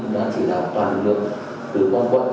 đã chỉ là toàn lực lượng từ quân quận